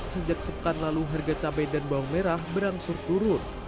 sejak sepekan lalu harga cabai dan bawang merah berangsur turun